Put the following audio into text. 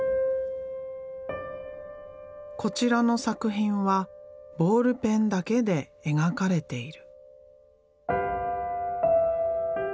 こちらの作品はボールペンだけで描かれている。